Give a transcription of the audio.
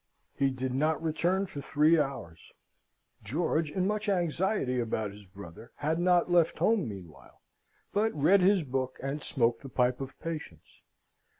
He did not return for three hours. George, in much anxiety about his brother, had not left home meanwhile, but read his book, and smoked the pipe of patience.